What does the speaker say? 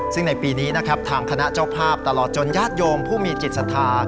ซึ่งในปีนี้ทางคณะเจ้าภาพตลอดจนญาติโยงผู้มีจิตสัตว์